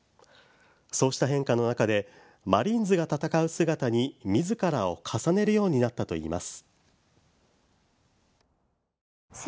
そうした変化の中でマリーンズが戦う姿にみずからを重ねるようになったといいます。